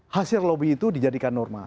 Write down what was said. hasil lobby itu dijadikan norma